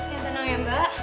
ya tenang ya mbak